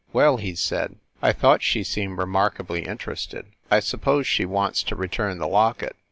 "Well," he said, "I thought she seemed remark ably interested. I suppose she wants to return the locket."